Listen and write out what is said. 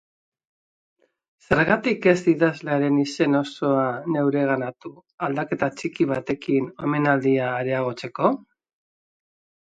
Zergatik ez idazlearen izen osoa neureganatu, aldaketa txiki batekin, omenaldia areagotzeko?